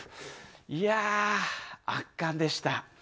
いやぁ圧巻でした。